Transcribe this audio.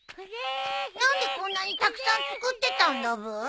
何でこんなにたくさん作ってたんだブー？